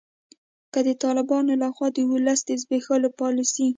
که د طالبانو لخوا د ولس د زبیښولو پالسي